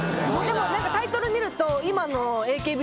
でもタイトル見ると今の。